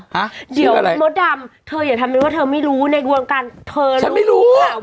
เดี๋ยวมดดำเธออย่าทำเลยว่าเธอไม่รู้ในวงการเธอนะไม่รู้ค่ะ